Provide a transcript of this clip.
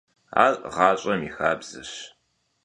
Ар гъащӏэм и хабзэщ.